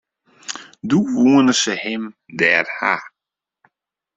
Doe woenen se him dêr ha.